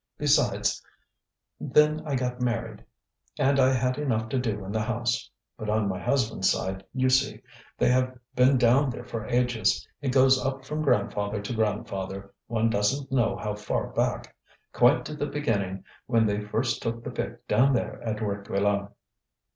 Besides, then I got married, and I had enough to do in the house. But on my husband's side, you see, they have been down there for ages. It goes up from grandfather to grandfather, one doesn't know how far back, quite to the beginning when they first took the pick down there at Réquillart."